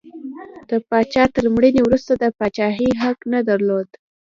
د پاچا تر مړینې وروسته د پاچاهۍ حق نه درلود.